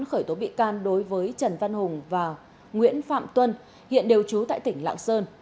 khởi tố bị can đối với trần văn hùng và nguyễn phạm tuân hiện đều trú tại tỉnh lạng sơn